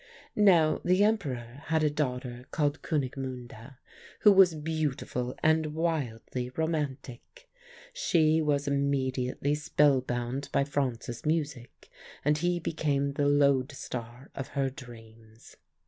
"Now the Emperor had a daughter called Kunigmunde, who was beautiful and wildly romantic. She was immediately spellbound by Franz's music, and he became the lodestar of her dreams.